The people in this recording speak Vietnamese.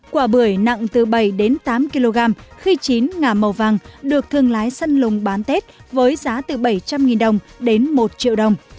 quả bưởi nặng từ bảy đến tám kg khi chín ngà màu vàng được thương lái săn lùng bán tết với giá từ bảy trăm linh đồng đến một triệu đồng